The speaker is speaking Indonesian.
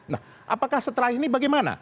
nah apakah setelah ini bagaimana